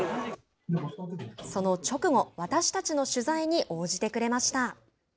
その直後私たちの取材に応じてくれました。